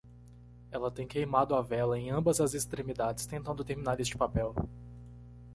Ela tem queimado a vela em ambas as extremidades tentando terminar este papel.